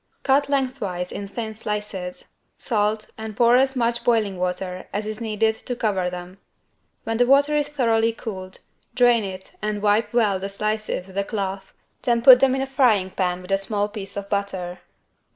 Cut lengthwise in thin slices, salt and pour as much boiling water as is needed to cover them. When the water is thoroughly cooled, drain it and wipe well the slices with a cloth, then put them in a frying pan with a small piece of butter.